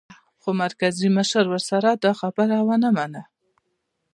خو د مرکز مشر ورسره دا خبره و نه منله